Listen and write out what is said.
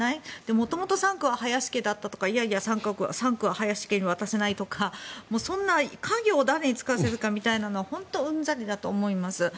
もともと３区は林家だったとかいやいや３区は林家に渡せないとかそんな家業を誰に継がせるかみたいなことは本当、うんざりだと思います。